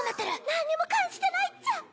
何にも感じてないっちゃ。